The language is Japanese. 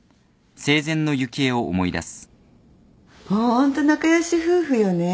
ホント仲良し夫婦よね